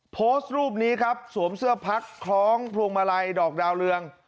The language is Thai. โพสต์รูปนี้ครับสวมเสื้อพักคล้องพวงมาลัยดอกดาวเรือง